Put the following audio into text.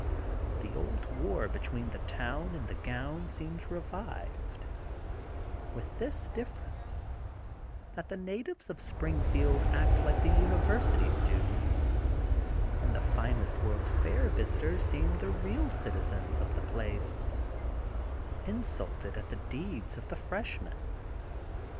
The old war between the town and the gown seems revived, with this difference, that the natives of Springfield act like the University stndents, and the finest World *s Fair visit ors seem the real citizens of the place, in sulted at the deeds of the freshmen.